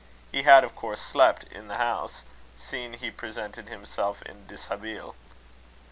He had, of course, slept in the house, seeing he presented himself in deshabille.